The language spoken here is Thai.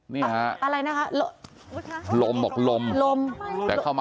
ไม่รู้จะล้มหรือจะล้ม